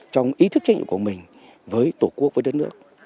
trong ý thức trách nhiệm của mình với tổ quốc với đất nước